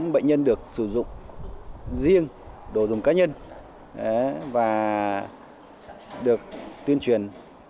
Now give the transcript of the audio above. bệnh nhân được sử dụng riêng đồ dùng cá nhân và được tuyên truyền